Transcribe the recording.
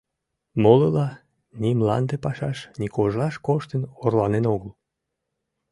Молыла ни мланде пашаш, ни кожлаш коштын орланен огыл.